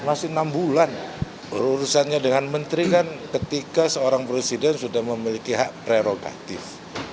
masih enam bulan urusannya dengan menteri kan ketika seorang presiden sudah memiliki hak prerogatif